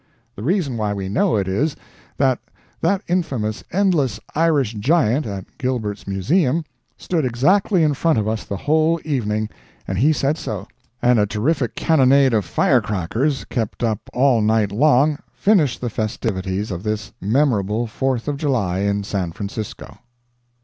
The reason why we know it is, that that infamous, endless, Irish giant, at Gilbert's Museum, stood exactly in front of us the whole evening, and he said so, and a terrific cannonade of fire crackers, kept up all night long, finished the festivities of this memorable Fourth of July in San Francisco.